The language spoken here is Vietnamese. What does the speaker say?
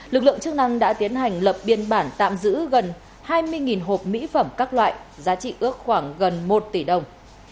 lực lượng chức năng đã tiến hành lập biên bản tạm giữ gần hai mươi hộp mỹ phẩm các loại giá trị ước khoảng gần một tỷ đồng